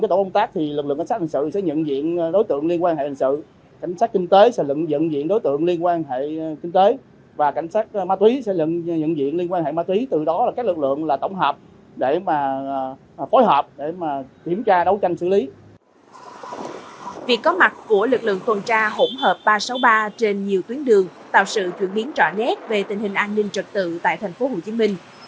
sự có mặt của lực lượng tuần tra hỗn hợp ba trăm sáu mươi ba trên nhiều tuyến đường tạo sự thượng biến trọ nét về tình hình an ninh trật tự tại tp hcm